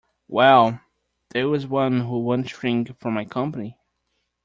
Well, there is one who won’t shrink from my company!